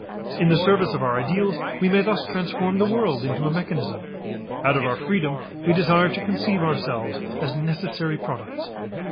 In the service of our ideals we may thus transform the world into a mechanism: out of our freedom we desire to conceive ourselves as necessary products.